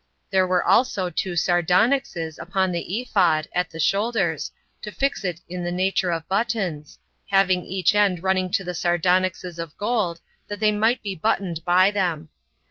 There were also two sardonyxes upon the ephod, at the shoulders, to fasten it in the nature of buttons, having each end running to the sardonyxes of gold, that they might be buttoned by them.